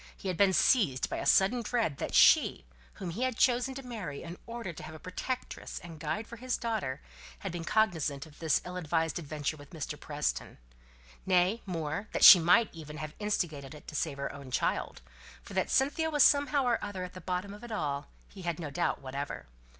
He had been seized by a sudden dread that she, whom he had chosen to marry in order to have a protectress and guide for his daughter, had been cognizant of this ill advised adventure with Mr. Preston; nay, more, that she might even have instigated it to save her own child; for that Cynthia was, somehow or other, at the bottom of it all he had no doubt whatever.